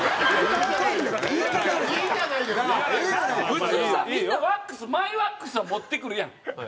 普通さみんなワックスマイワックスは持ってくるやん。